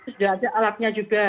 sudah ada alatnya juga